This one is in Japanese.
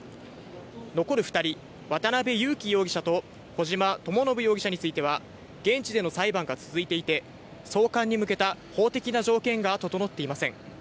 残る２人、渡辺優樹容疑者と小島智信容疑者については、現地での裁判が続いていて、送還に向けた法的な条件が整っていません。